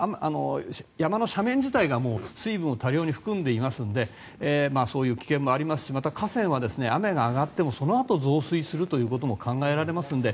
山の斜面自体が水分を多量に含んでいますのでそういう危険もありますしまた、河川は雨が上がってもそのあと、増水することも考えられますので。